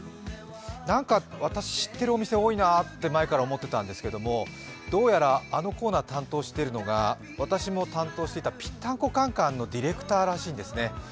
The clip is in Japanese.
なんか私、知ってるお店多いなと前から思っていたんですけれども、どうやらあのコーナーを担当しているのが私も担当していた「ぴったんこカン・カン」のディレクターらしいんですね。